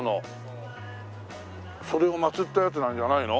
それを祀ったやつなんじゃないの？